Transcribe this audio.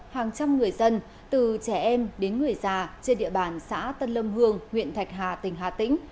hàng trăm người dân từ trẻ em đến người già trên địa bàn xã tân lâm hương huyện thạch hà tỉnh hà tĩnh